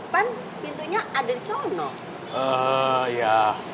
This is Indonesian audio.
pan pintunya ada di sana